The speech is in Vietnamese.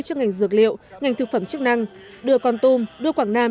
cho ngành dược liệu ngành thực phẩm chức năng đưa con tum đưa quảng nam